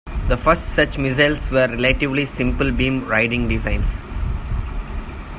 The first such missiles were relatively simple beam riding designs.